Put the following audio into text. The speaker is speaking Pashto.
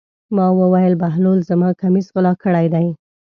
هغه وویل: بهلول زما کمیس غلا کړی دی.